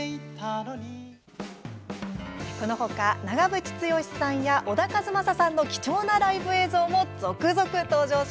このほか長渕剛さんや小田和正さんの貴重なライブ映像なども続々登場。